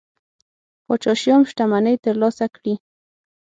پاچا شیام شتمنۍ ترلاسه کړي.